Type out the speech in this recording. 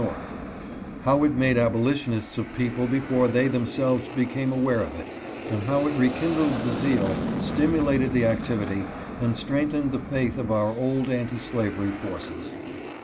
North : how it made abolitionists of people before they themselves became aware of it, and how it rekindled the zeal, stimulated the activity, and strengthened the faith of our old anti slavery forces.